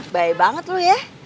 baik banget lu ya